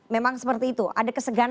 memang seperti itu ada kesegaran